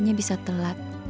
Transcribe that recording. hanya bisa telat